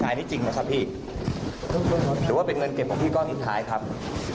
หรือว่าเป็นเงินเก็บของพี่ก้อนอีกท้ายครับ